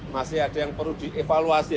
masih ada yang perlu dievaluasi